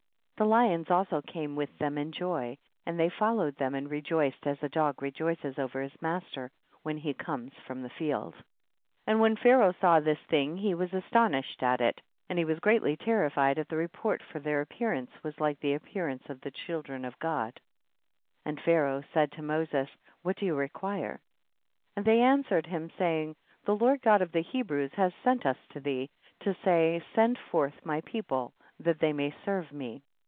23. The lions also came with them joy, and they followed them and m dog he rejoices over his comes from the rejoiced as a master when field. 24. And when Pharaoh saw this 236 THE BOOK OF JASHER. thing he was astonished at it, and he was greatly terrified at the report, for their* appearance was hke the appearance of the children! of God. 25. And Pharaoh said to Moses, what do you require ? and they an swered him, saying, the Lord God of the Hebrews has sent us to thee, to say, send forth my people that they may serve me.